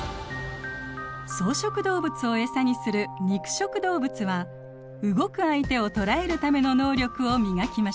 草食動物をエサにする肉食動物は動く相手を捕らえるための能力を磨きました。